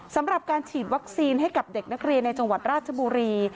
สำหรับการฉีดวัคซีนให้กับเด็กนักเรียนในจังหวัดราชบุรี